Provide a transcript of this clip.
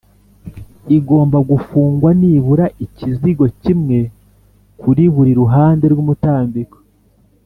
igomba gufungwa nibura ikizigo kimwe kuri buri ruhande rw’umutambiko